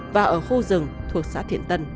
và ở khu rừng thuộc xã thiện tân